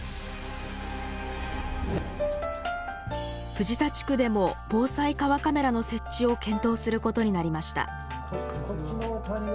藤田地区でも防災川カメラの設置を検討することになりました。